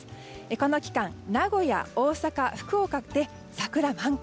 この期間、名古屋、大阪、福岡で桜満開。